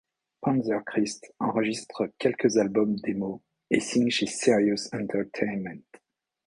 Panzerchrist enregistre quelques albums démos et signe chez Serious Entertainment.